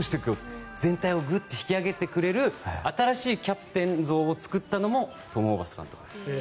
全体をグッと引き上げてくれる新しいキャプテン像を作ったのもトム・ホーバス監督です。